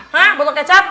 hah botol kecap